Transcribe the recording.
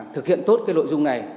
thực hiện tốt cái nội dung này